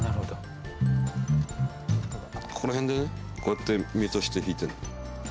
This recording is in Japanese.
この辺でねこうやってミュートして弾いてんの。